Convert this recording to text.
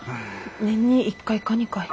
年に１回か２回。